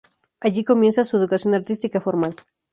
Allí comienza su educación artística formal.